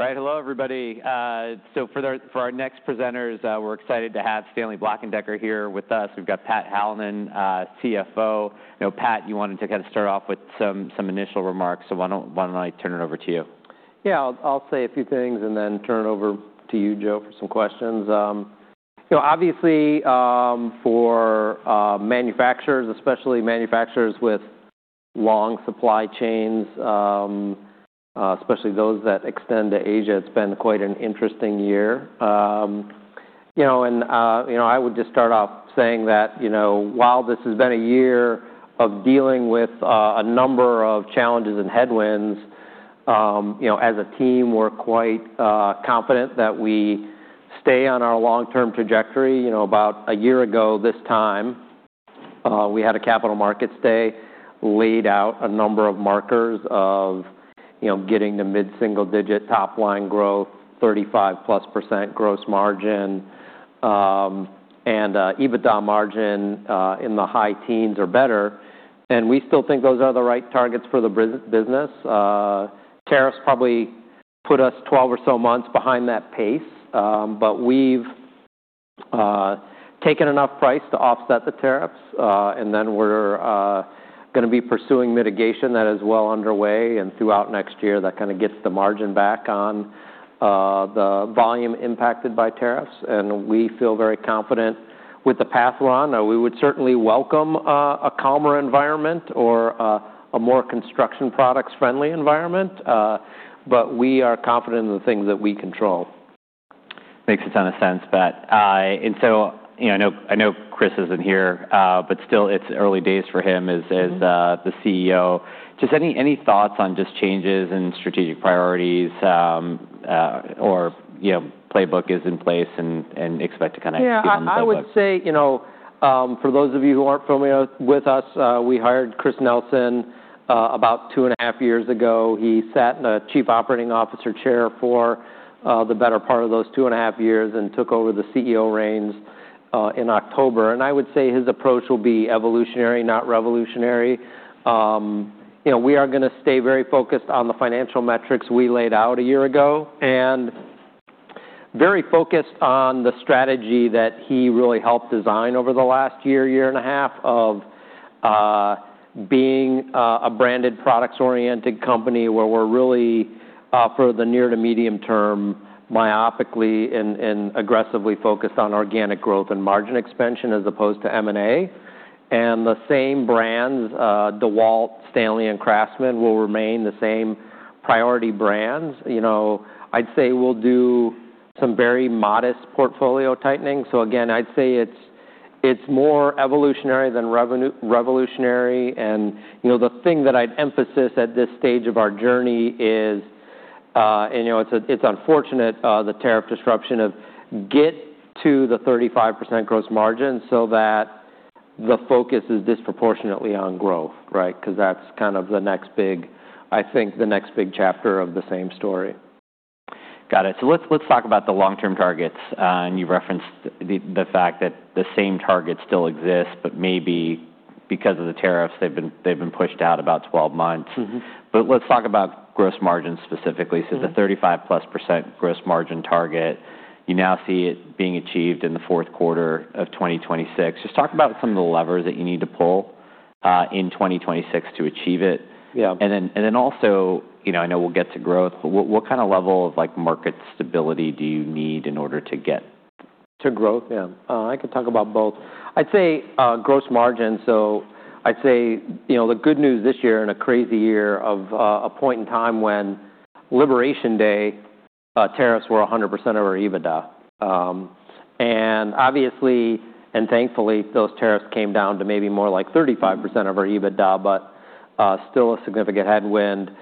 Right. Hello, everybody. So for our next presenters, we're excited to have Stanley Black & Decker here with us. We've got Pat Hallinan, CFO. Pat, you wanted to kind of start off with some initial remarks. So why don't I turn it over to you? Yeah. I'll say a few things and then turn it over to you, Joe, for some questions. Obviously, for manufacturers, especially manufacturers with long supply chains, especially those that extend to Asia, it's been quite an interesting year, and I would just start off saying that while this has been a year of dealing with a number of challenges and headwinds, as a team, we're quite confident that we stay on our long-term trajectory. About a year ago this time, we had a capital markets day laid out a number of markers of getting the mid-single-digit top-line growth, 35-plus% gross margin, and EBITDA margin in the high teens or better, and we still think those are the right targets for the business. Tariffs probably put us 12 or so months behind that pace, but we've taken enough price to offset the tariffs. And then we're going to be pursuing mitigation. That is well underway. And throughout next year, that kind of gets the margin back on the volume impacted by tariffs. And we feel very confident with the path we're on. We would certainly welcome a calmer environment or a more construction products-friendly environment. But we are confident in the things that we control. Makes a ton of sense, Pat. And so I know Chris isn't here, but still, it's early days for him as the CEO. Just any thoughts on just changes in strategic priorities or playbook is in place and expect to kind of keep on the same path? Yeah. I would say, for those of you who aren't familiar with us, we hired Chris Nelson about two and a half years ago. He sat in the Chief Operating Officer chair for the better part of those two and a half years and took over the CEO reins in October, and I would say his approach will be evolutionary, not revolutionary. We are going to stay very focused on the financial metrics we laid out a year ago and very focused on the strategy that he really helped design over the last year, year and a half, of being a branded, products-oriented company where we're really, for the near to medium term, myopically and aggressively focused on organic growth and margin expansion as opposed to M&A, and the same brands, DeWalt, Stanley, and Craftsman, will remain the same priority brands. I'd say we'll do some very modest portfolio tightening. So again, I'd say it's more evolutionary than revolutionary. And the thing that I'd emphasize at this stage of our journey is, and it's unfortunate, the tariff disruption of get to the 35% Gross Margin so that the focus is disproportionately on growth, right? Because that's kind of the next big, I think, the next big chapter of the same story. Got it. So let's talk about the long-term targets. And you referenced the fact that the same targets still exist, but maybe because of the tariffs, they've been pushed out about 12 months. But let's talk about gross margin specifically. So the 35-plus% gross margin target, you now see it being achieved in the fourth quarter of 2026. Just talk about some of the levers that you need to pull in 2026 to achieve it. And then also, I know we'll get to growth. What kind of level of market stability do you need in order to get? To growth, yeah. I could talk about both. I'd say gross margin, so I'd say the good news this year in a crazy year of a point in time when Liberation Day tariffs were 100% of our EBITDA, and obviously, and thankfully, those tariffs came down to maybe more like 35% of our EBITDA, but still a significant headwind.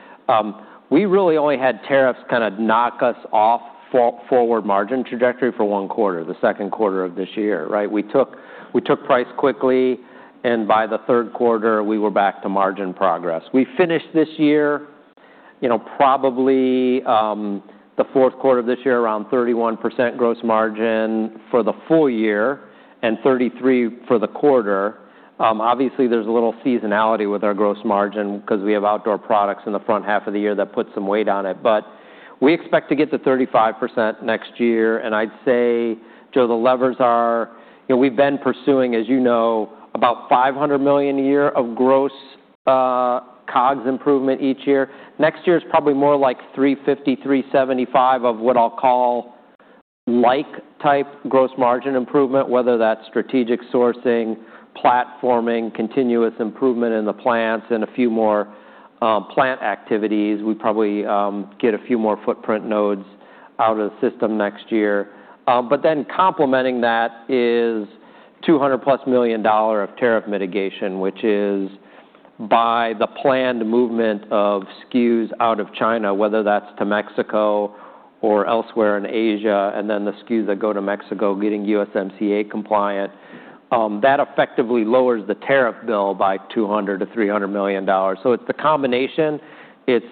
We really only had tariffs kind of knock us off forward margin trajectory for one quarter, the second quarter of this year, right? We took price quickly, and by the third quarter, we were back to margin progress. We finished this year probably the fourth quarter of this year around 31% gross margin for the full year and 33% for the quarter. Obviously, there's a little seasonality with our gross margin because we have outdoor products in the front half of the year that put some weight on it. But we expect to get to 35% next year. And I'd say, Joe, the levers are we've been pursuing, as you know, about $500 million a year of gross COGS improvement each year. Next year is probably more like $350-$375 million of what I'll call like-type gross margin improvement, whether that's strategic sourcing, platforming, continuous improvement in the plants, and a few more plant activities. We probably get a few more footprint nodes out of the system next year. But then complementing that is $200+ million of tariff mitigation, which is by the planned movement of SKUs out of China, whether that's to Mexico or elsewhere in Asia, and then the SKUs that go to Mexico getting USMCA compliant. That effectively lowers the tariff bill by $200-$300 million. So it's the combination. It's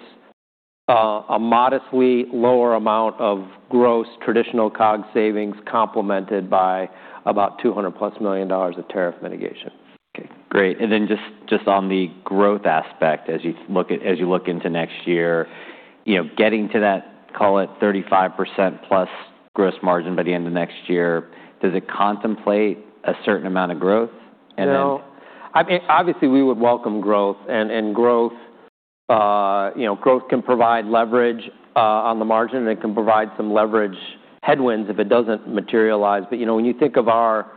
a modestly lower amount of gross traditional COGS savings complemented by about $200+ million of tariff mitigation. Okay. Great. And then just on the growth aspect, as you look into next year, getting to that, call it 35%+ gross margin by the end of next year, does it contemplate a certain amount of growth? No. Obviously, we would welcome growth, and growth can provide leverage on the margin and it can provide some leverage headwinds if it doesn't materialize, but when you think of our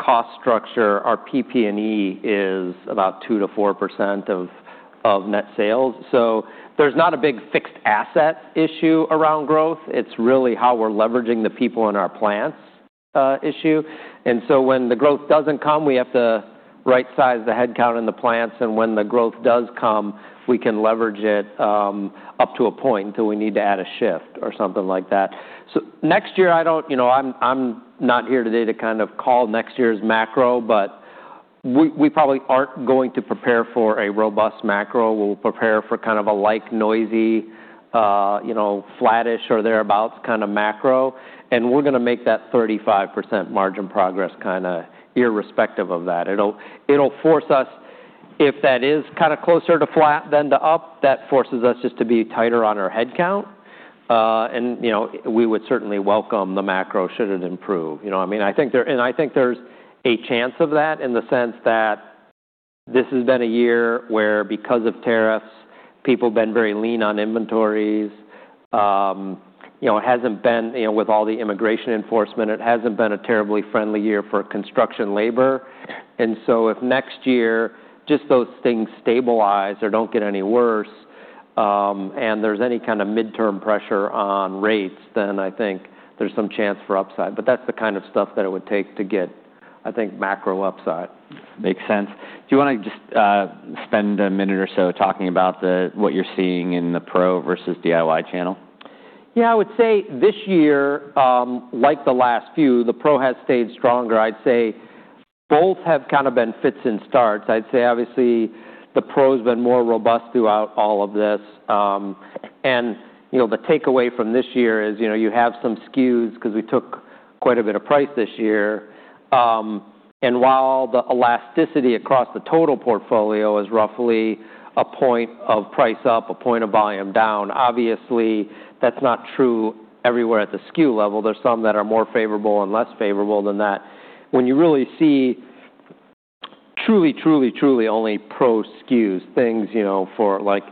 cost structure, our PP&E is about 2%-4% of net sales, so there's not a big fixed asset issue around growth. It's really how we're leveraging the people in our plants issue, and so when the growth doesn't come, we have to right-size the headcount in the plants, and when the growth does come, we can leverage it up to a point until we need to add a shift or something like that, so next year, I'm not here today to kind of call next year's macro, but we probably aren't going to prepare for a robust macro. We'll prepare for kind of a, like, noisy, flattish, or thereabouts kind of macro. We're going to make that 35% margin progress kind of irrespective of that. It'll force us, if that is kind of closer to flat than to up, that forces us just to be tighter on our headcount. We would certainly welcome the macro should it improve. I mean, I think there's a chance of that in the sense that this has been a year where, because of tariffs, people have been very lean on inventories. It hasn't been, with all the immigration enforcement, it hasn't been a terribly friendly year for construction labor. So if next year just those things stabilize or don't get any worse and there's any kind of midterm pressure on rates, then I think there's some chance for upside. That's the kind of stuff that it would take to get, I think, macro upside. Makes sense. Do you want to just spend a minute or so talking about what you're seeing in the pro versus DIY channel? Yeah. I would say this year, like the last few, the pro has stayed stronger. I'd say both have kind of been fits and starts. I'd say, obviously, the pro has been more robust throughout all of this. And the takeaway from this year is you have some SKUs because we took quite a bit of price this year. And while the elasticity across the total portfolio is roughly a point of price up, a point of volume down, obviously, that's not true everywhere at the SKU level. There's some that are more favorable and less favorable than that. When you really see truly, truly, truly only pro SKUs, things like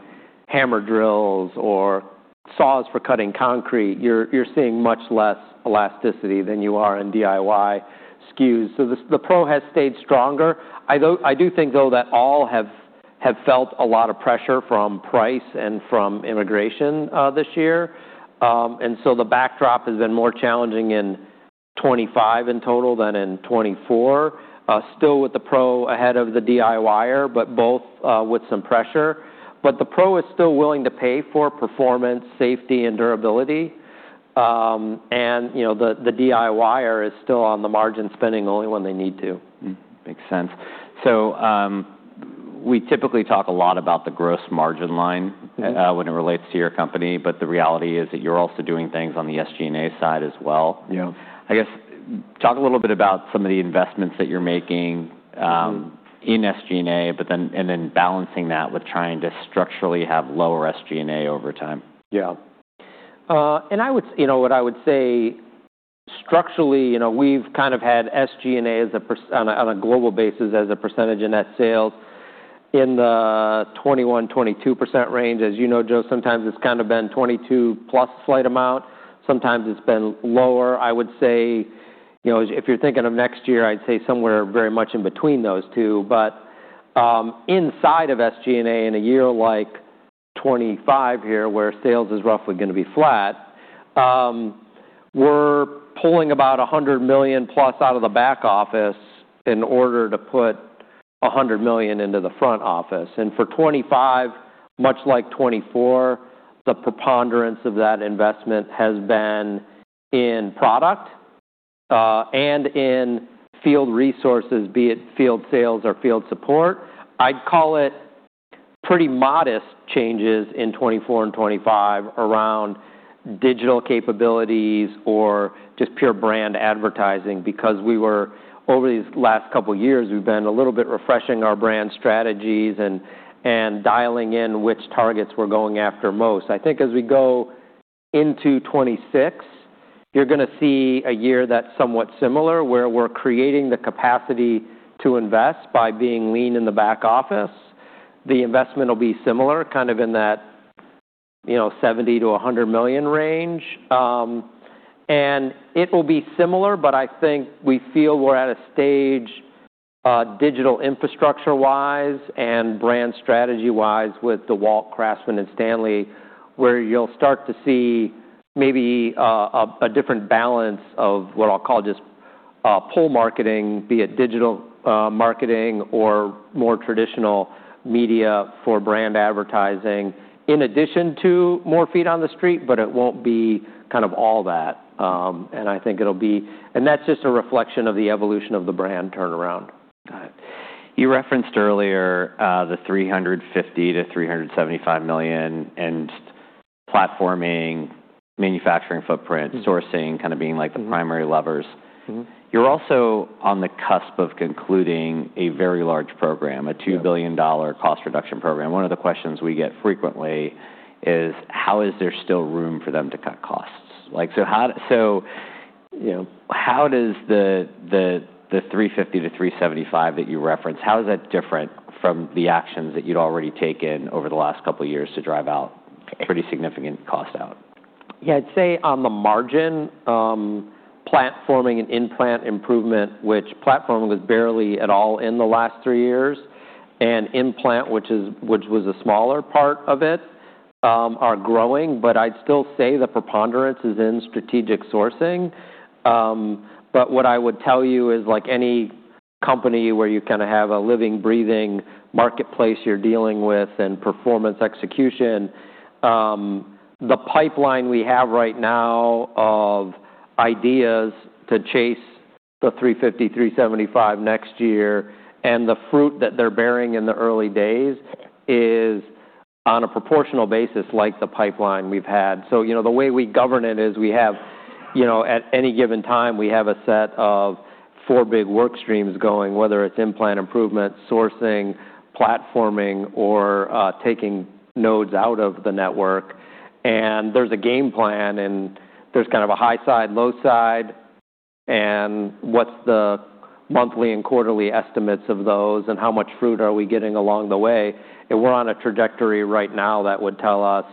hammer drills or saws for cutting concrete, you're seeing much less elasticity than you are in DIY SKUs. So the pro has stayed stronger. I do think, though, that all have felt a lot of pressure from price and from inflation this year. And so the backdrop has been more challenging in 2025 in total than in 2024, still with the pro ahead of the DIYer, but both with some pressure. But the pro is still willing to pay for performance, safety, and durability. And the DIYer is still on the margin spending only when they need to. Makes sense. So we typically talk a lot about the gross margin line when it relates to your company. But the reality is that you're also doing things on the SG&A side as well. I guess talk a little bit about some of the investments that you're making in SG&A, and then balancing that with trying to structurally have lower SG&A over time. Yeah. And what I would say structurally, we've kind of had SG&A on a global basis as a percentage in net sales in the 21%-22% range. As you know, Joe, sometimes it's kind of been 22+ slight amount. Sometimes it's been lower. I would say if you're thinking of next year, I'd say somewhere very much in between those two. But inside of SG&A in a year like 2025 here, where sales is roughly going to be flat, we're pulling about $100 million+ out of the back office in order to put $100 million into the front office. And for 2025, much like 2024, the preponderance of that investment has been in product and in field resources, be it field sales or field support. I'd call it pretty modest changes in 2024 and 2025 around digital capabilities or just pure brand advertising because over these last couple of years, we've been a little bit refreshing our brand strategies and dialing in which targets we're going after most. I think as we go into 2026, you're going to see a year that's somewhat similar where we're creating the capacity to invest by being lean in the back office. The investment will be similar kind of in that $70 million-$100 million range. And it will be similar, but I think we feel we're at a stage digital infrastructure-wise and brand strategy-wise with DeWalt, Craftsman, and Stanley, where you'll start to see maybe a different balance of what I'll call just pull marketing, be it digital marketing or more traditional media for brand advertising, in addition to more feet on the street, but it won't be kind of all that. And I think it'll be, and that's just a reflection of the evolution of the brand turnaround. Got it. You referenced earlier the $350 million-$375 million and platforming, manufacturing footprint, sourcing kind of being like the primary levers. You're also on the cusp of concluding a very large program, a $2 billion cost reduction program. One of the questions we get frequently is, how is there still room for them to cut costs? So how does the $350 million-$375 million that you referenced, how is that different from the actions that you'd already taken over the last couple of years to drive out pretty significant cost out? Yeah. I'd say on the margin, platforming and in-plant improvement, which platforming was barely at all in the last three years, and in-plant, which was a smaller part of it, are growing, but I'd still say the preponderance is in strategic sourcing. But what I would tell you is like any company where you kind of have a living, breathing marketplace you're dealing with and performance execution, the pipeline we have right now of ideas to chase the 350-375 next year and the fruit that they're bearing in the early days is on a proportional basis like the pipeline we've had, so the way we govern it is we have at any given time, we have a set of four big work streams going, whether it's in-plant improvement, sourcing, platforming, or taking nodes out of the network. There's a game plan, and there's kind of a high side, low side, and what's the monthly and quarterly estimates of those, and how much fruit are we getting along the way. We're on a trajectory right now that would tell us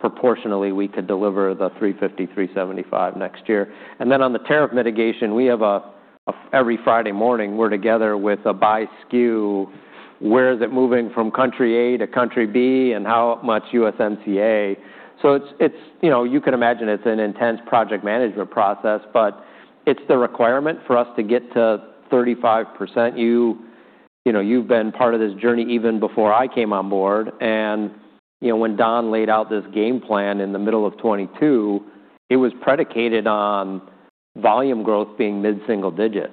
proportionally we could deliver the 350, 375 next year. On the tariff mitigation, we have every Friday morning, we're together with a by SKU, where is it moving from country A to country B, and how much USMCA. You can imagine it's an intense project management process, but it's the requirement for us to get to 35%. You've been part of this journey even before I came on board. When Don laid out this game plan in the middle of 2022, it was predicated on volume growth being mid-single digits.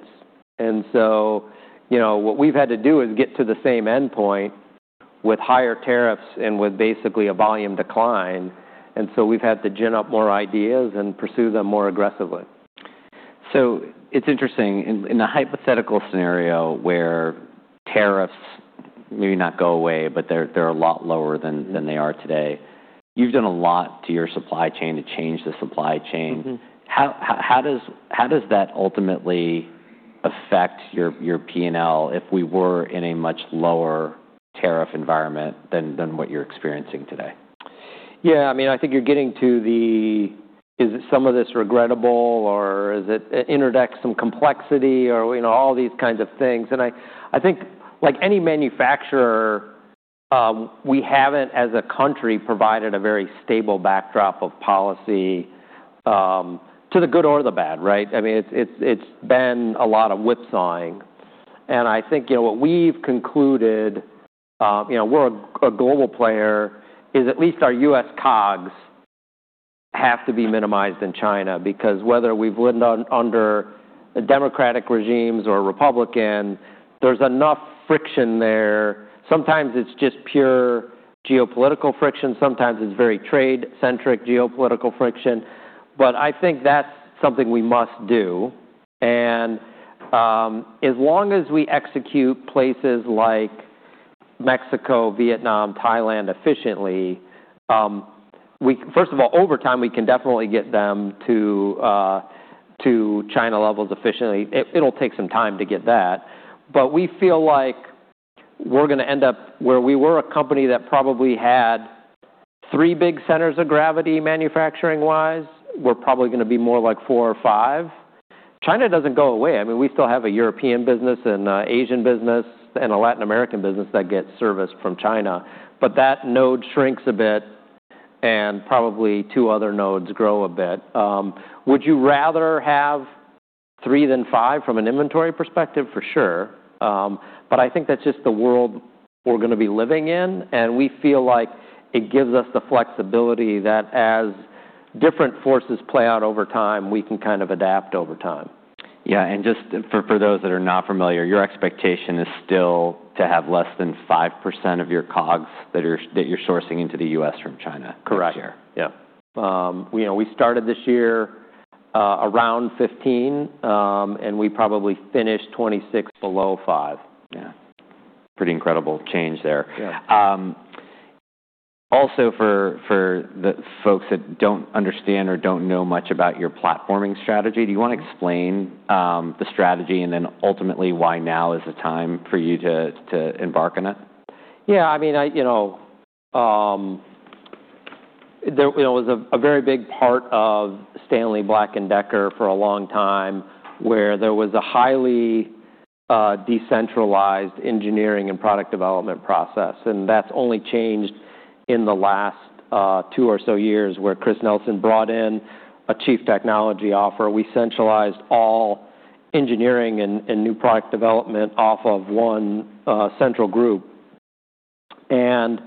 And so what we've had to do is get to the same endpoint with higher tariffs and with basically a volume decline. And so we've had to gin up more ideas and pursue them more aggressively. So it's interesting. In a hypothetical scenario where tariffs may not go away, but they're a lot lower than they are today, you've done a lot to your supply chain to change the supply chain. How does that ultimately affect your P&L if we were in a much lower tariff environment than what you're experiencing today? Yeah. I mean, I think you're getting to the issue: some of this regrettable, or is it introduced some complexity, or all these kinds of things? And I think like any manufacturer, we have not, as a country, provided a very stable backdrop of policy to the good or the bad, right? I mean, it's been a lot of whipsawing. And I think what we've concluded, we're a global player, is at least our U.S COGS have to be minimized in China because whether we've lived under Democratic regimes or Republican, there's enough friction there. Sometimes it's just pure geopolitical friction. Sometimes it's very trade-centric geopolitical friction. But I think that's something we must do. And as long as we execute places like Mexico, Vietnam, Thailand efficiently, first of all, over time, we can definitely get them to China levels efficiently. It'll take some time to get that. But we feel like we're going to end up where we were a company that probably had three big centers of gravity manufacturing-wise. We're probably going to be more like four or five. China doesn't go away. I mean, we still have a European business and an Asian business and a Latin American business that gets service from China. But that node shrinks a bit, and probably two other nodes grow a bit. Would you rather have three than five from an inventory perspective? For sure. But I think that's just the world we're going to be living in. And we feel like it gives us the flexibility that as different forces play out over time, we can kind of adapt over time. Yeah, and just for those that are not familiar, your expectation is still to have less than 5% of your COGS that you're sourcing into the U.S. from China this year. Correct. Yeah. We started this year around 15, and we probably finished 26 below five. Yeah. Pretty incredible change there. Also for the folks that don't understand or don't know much about your platforming strategy, do you want to explain the strategy and then ultimately why now is the time for you to embark on it? Yeah. I mean, there was a very big part of Stanley Black & Decker for a long time where there was a highly decentralized engineering and product development process. And that's only changed in the last two or so years where Chris Nelson brought in a Chief Technology Officer. We centralized all engineering and new product development off of one central group. And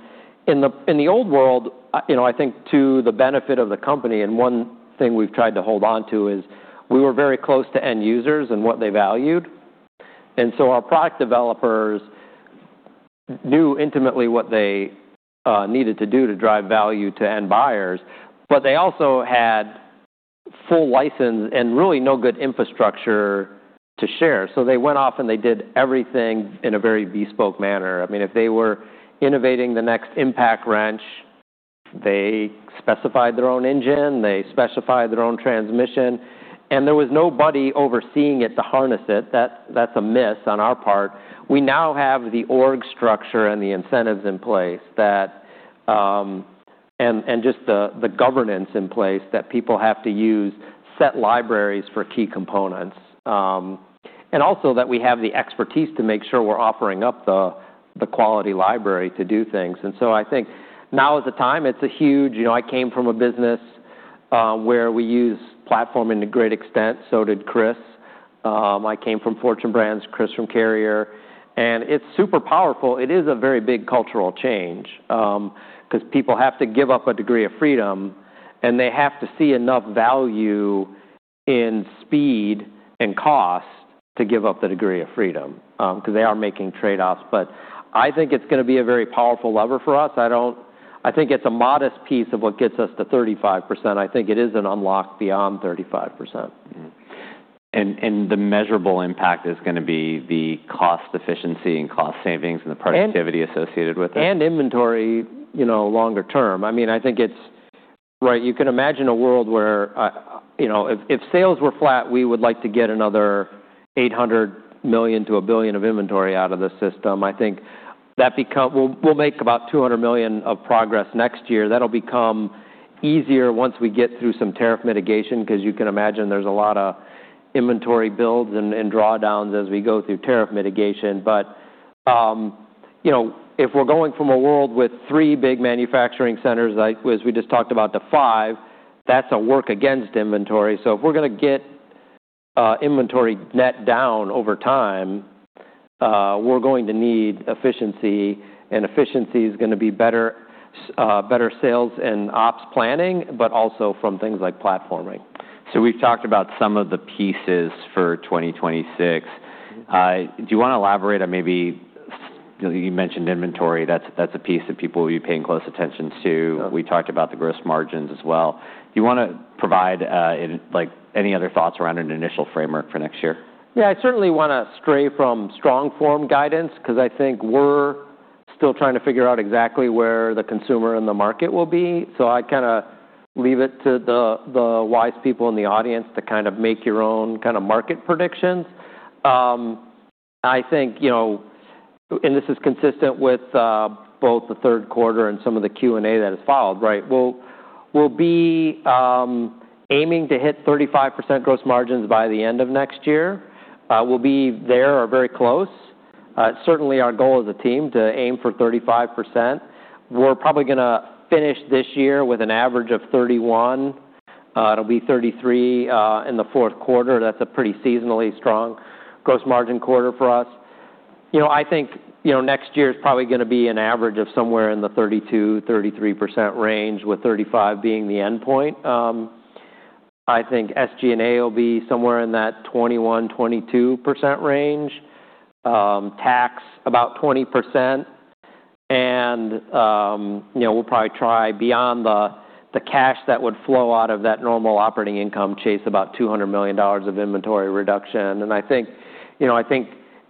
in the old world, I think to the benefit of the company, and one thing we've tried to hold on to is we were very close to end users and what they valued. And so our product developers knew intimately what they needed to do to drive value to end buyers. But they also had full license and really no good infrastructure to share. So they went off and they did everything in a very bespoke manner. I mean, if they were innovating the next impact wrench, they specified their own engine, they specified their own transmission. And there was nobody overseeing it to harness it. That's a miss on our part. We now have the org structure and the incentives in place and just the governance in place that people have to use set libraries for key components. And also that we have the expertise to make sure we're offering up the quality library to do things. And so I think now at the time, it's a huge I came from a business where we use platforming to great extent. So did Chris. I came from Fortune Brands, Chris from Carrier. And it's super powerful. It is a very big cultural change because people have to give up a degree of freedom, and they have to see enough value in speed and cost to give up the degree of freedom because they are making trade-offs. But I think it's going to be a very powerful lever for us. I think it's a modest piece of what gets us to 35%. I think it is an unlock beyond 35%. The measurable impact is going to be the cost efficiency and cost savings and the productivity associated with it. Inventory longer term. I mean, I think it's right. You can imagine a world where if sales were flat, we would like to get another 800 million to a billion of inventory out of the system. I think that will make about 200 million of progress next year. That'll become easier once we get through some tariff mitigation because you can imagine there's a lot of inventory builds and drawdowns as we go through tariff mitigation. But if we're going from a world with three big manufacturing centers, as we just talked about, to five, that's a work against inventory. So if we're going to get inventory net down over time, we're going to need efficiency, and efficiency is going to be better sales and ops planning, but also from things like platforming. So we've talked about some of the pieces for 2026. Do you want to elaborate on maybe you mentioned inventory? That's a piece that people will be paying close attention to. We talked about the gross margins as well. Do you want to provide any other thoughts around an initial framework for next year? Yeah. I certainly want to stay away from strong form guidance because I think we're still trying to figure out exactly where the consumer and the market will be. So I kind of leave it to the wise people in the audience to kind of make your own kind of market predictions. I think, and this is consistent with both the third quarter and some of the Q&A that has followed, right? We'll be aiming to hit 35% gross margins by the end of next year. We'll be there or very close. Certainly, our goal as a team to aim for 35%. We're probably going to finish this year with an average of 31%. It'll be 33% in the fourth quarter. That's a pretty seasonally strong gross margin quarter for us. I think next year is probably going to be an average of somewhere in the 32-33% range with 35% being the endpoint. I think SG&A will be somewhere in that 21-22% range. Tax, about 20%. And we'll probably try beyond the cash that would flow out of that normal operating income chase about $200 million of inventory reduction. And I think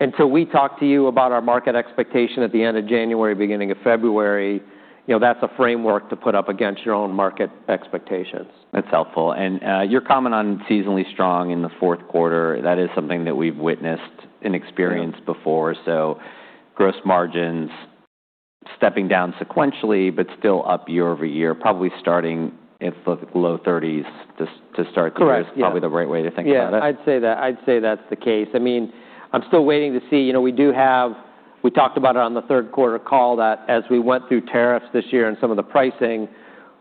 until we talk to you about our market expectation at the end of January, beginning of February, that's a framework to put up against your own market expectations. That's helpful. And your comment on seasonally strong in the fourth quarter, that is something that we've witnessed and experienced before. So gross margins stepping down sequentially, but still up year-over-year, probably starting at the low 30s to start the year. It's probably the right way to think about it. Yeah. I'd say that. I'd say that's the case. I mean, I'm still waiting to see. We do have, we talked about it on the third quarter call that as we went through tariffs this year and some of the pricing,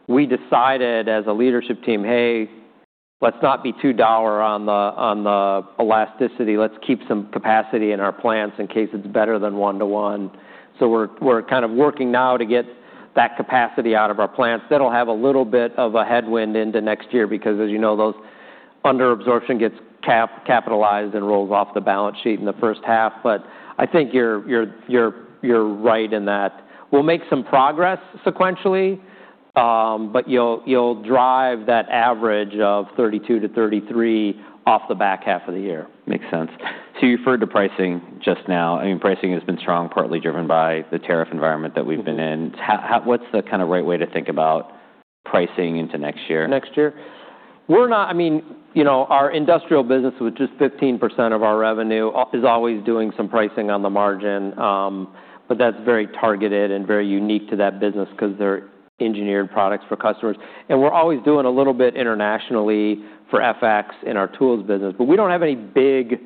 we decided as a leadership team, "Hey, let's not be too dour on the elasticity. Let's keep some capacity in our plants in case it's better than one-to-one." So we're kind of working now to get that capacity out of our plants. That'll have a little bit of a headwind into next year because, as you know, those under absorption gets capitalized and rolls off the balance sheet in the first half, but I think you're right in that we'll make some progress sequentially, but you'll drive that average of 32-33 off the back half of the year. Makes sense. So you referred to pricing just now. I mean, pricing has been strong, partly driven by the tariff environment that we've been in. What's the kind of right way to think about pricing into next year? Next year? I mean, our industrial business, which is 15% of our revenue, is always doing some pricing on the margin. But that's very targeted and very unique to that business because they're engineered products for customers. And we're always doing a little bit internationally for FX in our tools business. But we don't have any big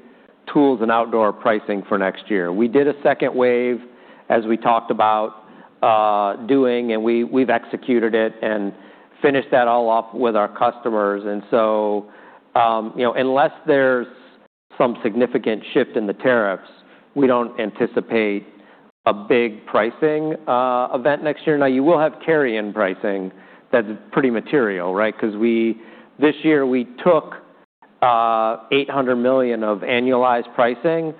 tools and outdoor pricing for next year. We did a second wave, as we talked about doing, and we've executed it and finished that all up with our customers. And so unless there's some significant shift in the tariffs, we don't anticipate a big pricing event next year. Now, you will have carry-in pricing that's pretty material, right? Because this year we took $800 million of annualized pricing,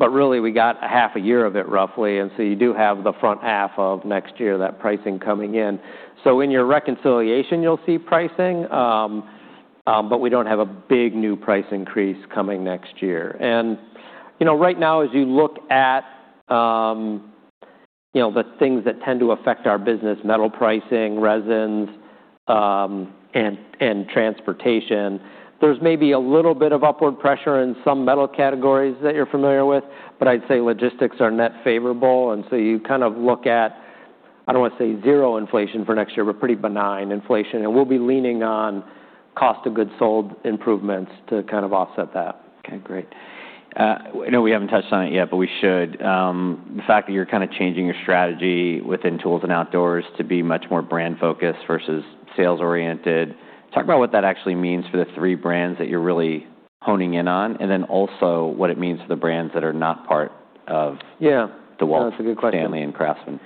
but really we got a half a year of it roughly. And so you do have the front half of next year that pricing coming in. So in your reconciliation, you'll see pricing, but we don't have a big new price increase coming next year. And right now, as you look at the things that tend to affect our business, metal pricing, resins, and transportation, there's maybe a little bit of upward pressure in some metal categories that you're familiar with. But I'd say logistics are net favorable. And so you kind of look at, I don't want to say zero inflation for next year, but pretty benign inflation. And we'll be leaning on cost of goods sold improvements to kind of offset that. Okay. Great. I know we haven't touched on it yet, but we should. The fact that you're kind of changing your strategy within tools and outdoors to be much more brand-focused versus sales-oriented. Talk about what that actually means for the three brands that you're really honing in on, and then also what it means for the brands that are not part of the DeWalt. Yeah. That's a good question. Stanley and Craftsman.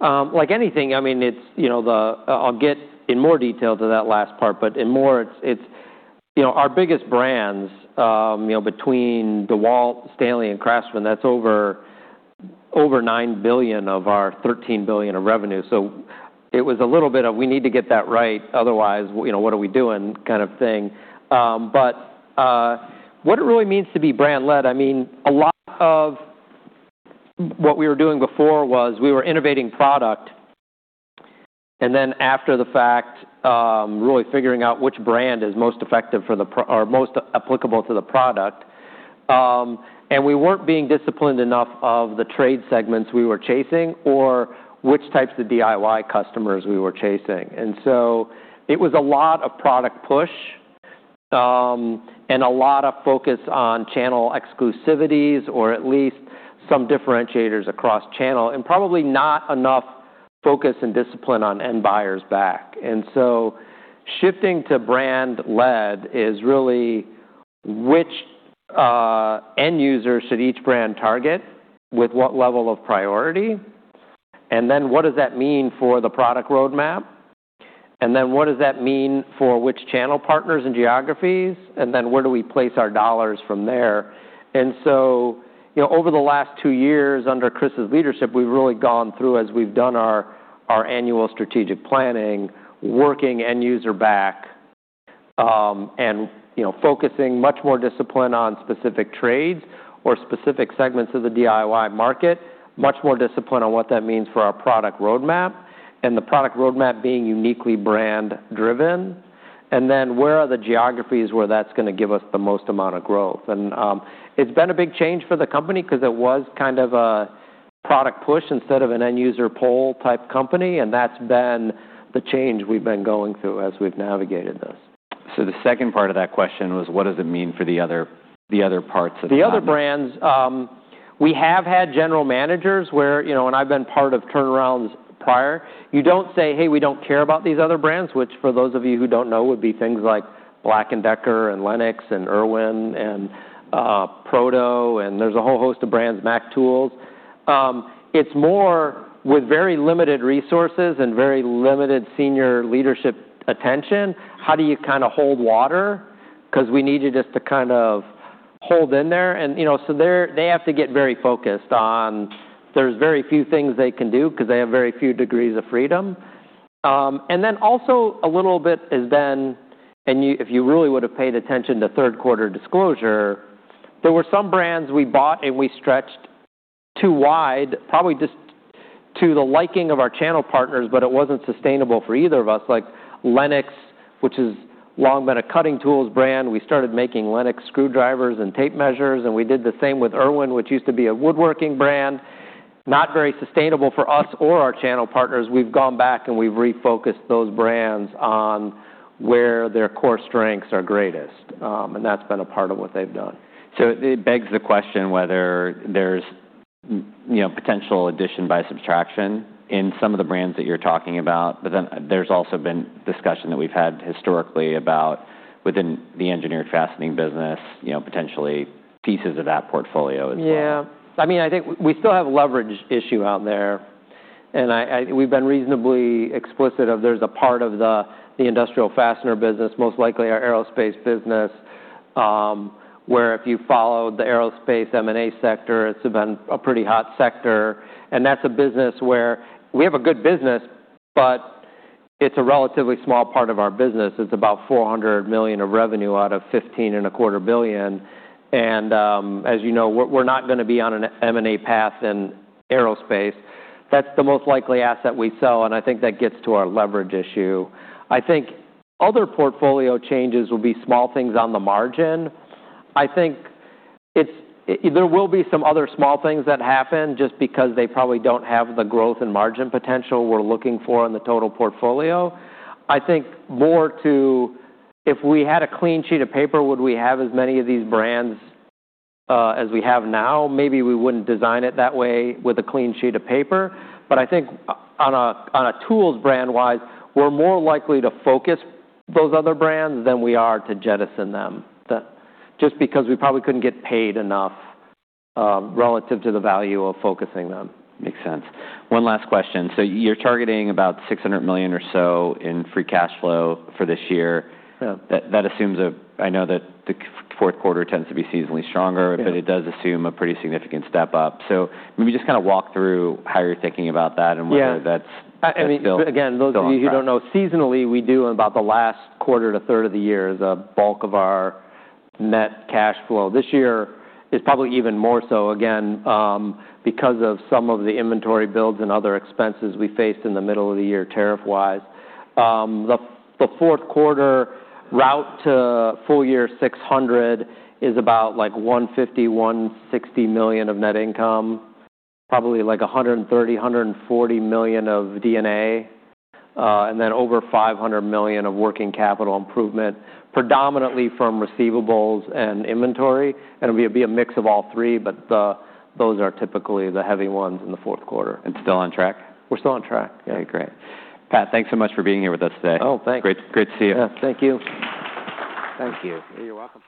Like anything, I mean, I'll get in more detail to that last part. But in more, it's our biggest brands between DeWalt, Stanley, and Craftsman, that's over $9 billion of our $13 billion of revenue. So it was a little bit of, "We need to get that right. Otherwise, what are we doing?" kind of thing. But what it really means to be brand-led, I mean, a lot of what we were doing before was we were innovating product and then after the fact, really figuring out which brand is most effective or most applicable to the product, and we weren't being disciplined enough of the trade segments we were chasing or which types of DIY customers we were chasing. And so it was a lot of product push and a lot of focus on channel exclusivities or at least some differentiators across channel and probably not enough focus and discipline on end buyers back. And so shifting to brand-led is really which end users should each brand target with what level of priority? And then what does that mean for the product roadmap? And then what does that mean for which channel partners and geographies? And then where do we place our dollars from there? And so over the last two years under Chris's leadership, we've really gone through, as we've done our annual strategic planning, working end user back and focusing much more discipline on specific trades or specific segments of the DIY market, much more discipline on what that means for our product roadmap and the product roadmap being uniquely brand-driven. And then where are the geographies where that's going to give us the most amount of growth? And it's been a big change for the company because it was kind of a product push instead of an end user pull type company. And that's been the change we've been going through as we've navigated this. So the second part of that question was, what does it mean for the other parts of the brand? The other brands, we have had general managers where, and I've been part of turnarounds prior. You don't say, "Hey, we don't care about these other brands," which for those of you who don't know would be things like Black & Decker and Lenox and Irwin and Proto. And there's a whole host of brands, Mac Tools. It's more with very limited resources and very limited senior leadership attention. How do you kind of hold water? Because we needed us to kind of hold in there. And so they have to get very focused on. There's very few things they can do because they have very few degrees of freedom. And then also a little bit has been, and if you really would have paid attention to third quarter disclosure, there were some brands we bought and we stretched too wide, probably just to the liking of our channel partners, but it wasn't sustainable for either of us. Like Lenox, which has long been a cutting tools brand. We started making Lenox screwdrivers and tape measures. And we did the same with Irwin, which used to be a woodworking brand. Not very sustainable for us or our channel partners. We've gone back and we've refocused those brands on where their core strengths are greatest. And that's been a part of what they've done. So it begs the question whether there's potential addition by subtraction in some of the brands that you're talking about. But then there's also been discussion that we've had historically about within the engineered fastening business, potentially pieces of that portfolio as well. Yeah. I mean, I think we still have a leverage issue out there. And we've been reasonably explicit that there's a part of the industrial fastener business, most likely our aerospace business, where if you follow the aerospace M&A sector, it's been a pretty hot sector. And that's a business where we have a good business, but it's a relatively small part of our business. It's about $400 million of revenue out of $15.25 billion. And as you know, we're not going to be on an M&A path in aerospace. That's the most likely asset we sell. And I think that gets to our leverage issue. I think other portfolio changes will be small things on the margin. I think there will be some other small things that happen just because they probably don't have the growth and margin potential we're looking for in the total portfolio. I think more to if we had a clean sheet of paper, would we have as many of these brands as we have now? Maybe we wouldn't design it that way with a clean sheet of paper. But I think on a tools brand-wise, we're more likely to focus those other brands than we are to jettison them just because we probably couldn't get paid enough relative to the value of focusing them. Makes sense. One last question. So you're targeting about $600 million or so in free cash flow for this year. That assumes, I know that the fourth quarter tends to be seasonally stronger, but it does assume a pretty significant step up. So maybe just kind of walk through how you're thinking about that and whether that's still. Yeah. I mean, again, those of you who don't know, seasonally, we do about the last quarter to third of the year is a bulk of our net cash flow. This year is probably even more so, again, because of some of the inventory builds and other expenses we faced in the middle of the year tariff-wise. The fourth quarter route to full year $600 million is about like $150-$160 million of net income, probably like $130-$140 million of D&A, and then over $500 million of working capital improvement, predominantly from receivables and inventory, and it'll be a mix of all three, but those are typically the heavy ones in the fourth quarter. Still on track? We're still on track. Yeah. Okay. Great. Pat, thanks so much for being here with us today. Oh, thanks. Great to see you. Yeah. Thank you. Thank you. You're welcome.